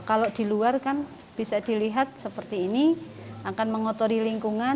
kalau di luar kan bisa dilihat seperti ini akan mengotori lingkungan